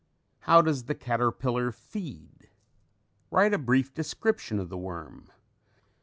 How does the caterpillar feed? Write a brief description of the worm.